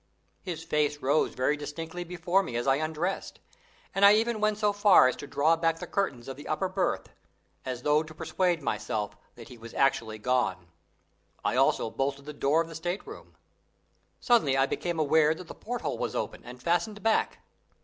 His face rose very distinctly before me as I undressed, and I even went so far as to draw back the curtains of the upper berth, as though to persuade myself that he was actually gone. I also bolted the door of the state room. Suddenly I became aware that the porthole was open, and fastened back.